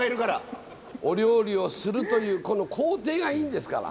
お料理をするというこの工程がいいんですから。